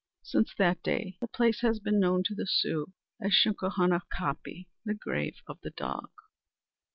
Since that day the place has been known to the Sioux as Shunkahanakapi the Grave of the Dog.